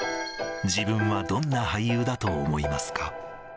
自分はどんな俳優だと思いますか？